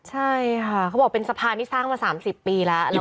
ใช่ค่ะเขาบอกเป็นสะพานที่สร้างมา๓๐ปีแล้ว